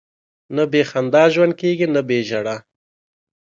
نه بې خندا ژوند کېږي، نه بې ژړا.